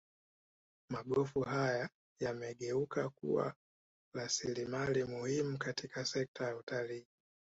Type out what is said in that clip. Magofu haya yamegeuka kuwa rasilimali muhimu katika sekta ya utalii